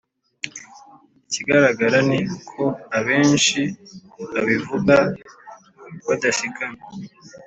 Ikigaragara ni uko abenshi babivuga badashikamye.